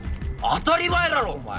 当たり前だろお前！